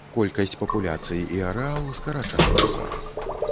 Колькасць папуляцый і арэал скарачаюцца.